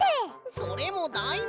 それもだいなし！